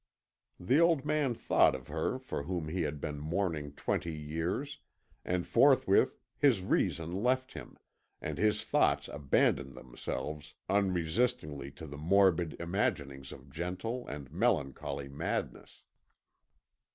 The old man thought of her for whom he had been mourning twenty years, and forthwith his reason left him, and his thoughts abandoned themselves unresistingly to the morbid imaginings of gentle and melancholy madness.